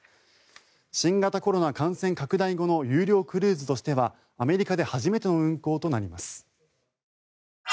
新型コロナ感染拡大後の有料クルーズとしてはアメリカで初めての運航となります。